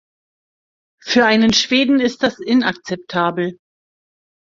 Für einen Schweden ist das inakzeptabel.